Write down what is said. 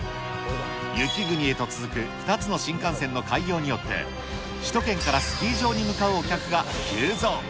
雪国へと続く２つの新幹線の開業によって、首都圏からスキー場に向かうお客が急増。